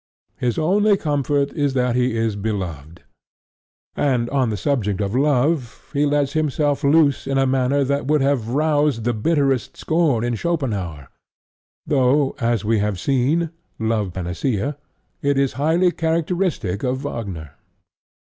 His only comfort is that he is beloved. And on the subject of love he lets himself loose in a manner that would have roused the bitterest scorn in Schopenhaur, though, as we have seen (Love Panacea), it is highly characteristic of Wagner.